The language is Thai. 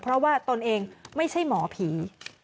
เพราะว่าตนเองไม่ใช่หมอผี